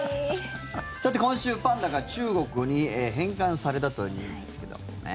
さて、今週パンダが中国に返還されたというニュースですけどね。